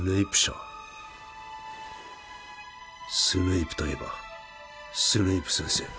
スネイプといえばスネイプ先生？